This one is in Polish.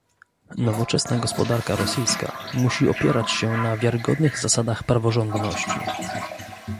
Nowoczesna gospodarka rosyjska musi opierać się na wiarygodnych zasadach praworządności